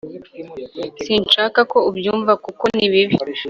sinshaka ko ubyumva kuko nibibi